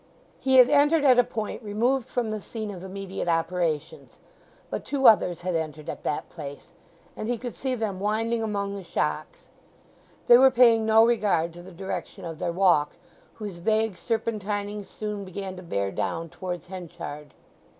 He had entered at a point removed from the scene of immediate operations; but two others had entered at that place, and he could see them winding among the shocks. They were paying no regard to the direction of their walk, whose vague serpentining soon began to bear down towards Henchard.